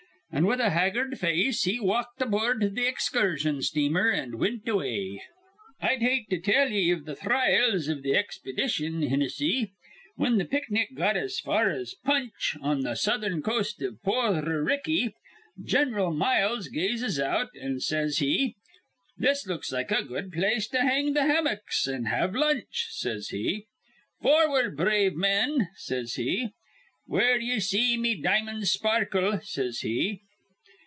An' with a haggard face he walked aboord th' excursion steamer, an' wint away. "I'd hate to tell ye iv th'thriles iv th' expedition, Hinnissy. Whin th' picnic got as far as Punch, on th' southern coast iv Porther Ricky, Gin'ral Miles gazes out, an' says he, 'This looks like a good place to hang th' hammicks, an' have lunch,' says he. 'Forward, brave men,' says he, 'where ye see me di'mon's sparkle,' says he.